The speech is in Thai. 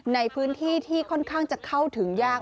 ในพื้นที่ที่ค่อนข้างจะเข้าถึงยาก